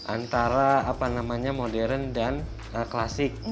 antara modern dan klasik